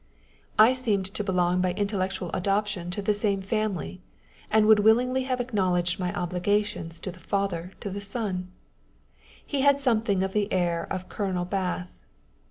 I seemed to belong by intellectual adoption to the same family, and would willingly have acknowledged my obligations to the father to the son. He had some thing of the air of Colonel Bath.